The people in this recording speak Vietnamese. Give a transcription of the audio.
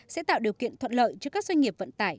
sẽ tạo điều kiện thuận lợi cho các doanh nghiệp vận tải